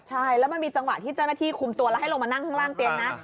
ใช่แล้วมันมีจังหวะที่เจ้าหน้าที่คุมตัวแล้วให้ลงมานั่งข้างล่างเตียงนะ